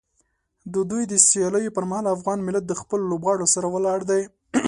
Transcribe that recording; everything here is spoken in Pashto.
د دوی د سیالیو پر مهال افغان ملت د خپلو لوبغاړو سره ولاړ دی.